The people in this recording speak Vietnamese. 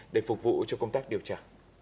để phục vụ cho công tác điều tra